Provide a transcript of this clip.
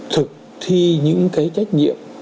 thực thi những cái trách nhiệm